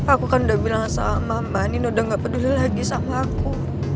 aku kan udah bilang sama mbak anin udah gak peduli lagi sama aku